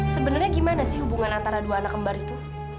sebenarnya gimana sih hubungan antara dua anak kembar itu